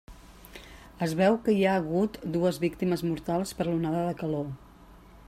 Es veu que hi ha hagut dues víctimes mortals per l'onada de calor.